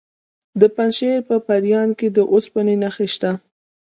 د پنجشیر په پریان کې د اوسپنې نښې شته.